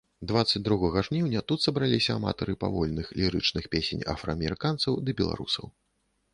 Дваццаць другога жніўня тут сабраліся аматары павольных лірычных песень афраамерыканцаў ды беларусаў.